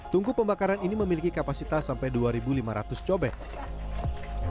tungku pemakaran ini memiliki kapasitas sampai dua lima ratus cobek